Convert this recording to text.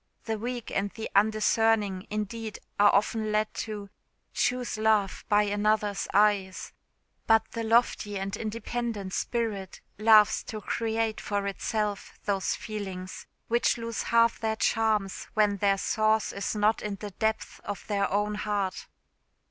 The weak and the undiscerning, indeed, are often led to "choose love by another's eyes;" but the lofty and independent spirit loves to create for itself those feelings which lose half their charms when their source is not in the depths of their own heart.